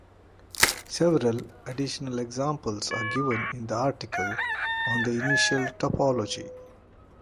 Several additional examples are given in the article on the initial topology.